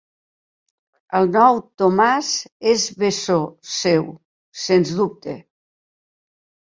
El nou Tomàs és bessó seu, sens dubte.